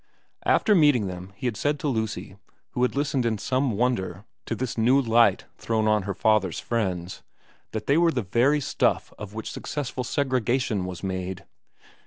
After meeting them he had said to Lucy, who had listened in some wonder at this new light thrown on her father's friends, that they were the very stuff of which successful segregation was made.